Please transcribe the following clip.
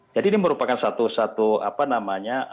jadi ini merupakan satu satu apa namanya